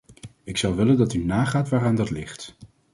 Ik zou willen dat u nagaat waaraan dat ligt.